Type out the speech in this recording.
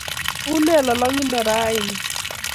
Unee lolongindo raini?